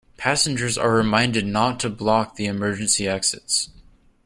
Passengers are reminded not to block the emergency exits.